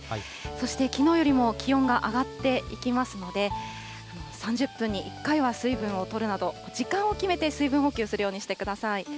そしてきのうよりも気温が上がっていきますので、３０分に１回は水分をとるなど、時間を決めて水分補給をするようにしてください。